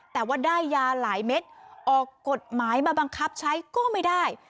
แต่ว่าได้ยาหลายเม็ดออกกฎหมายมาบังคับใช้ก็ไม่ได้